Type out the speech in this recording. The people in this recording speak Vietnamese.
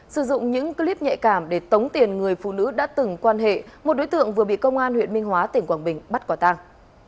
sử dụng những clip nhạy cảm để tống tiền người phụ nữ đã từng quan hệ một đối tượng vừa bị công an huyện minh hóa tỉnh quảng bình bắt quả tàng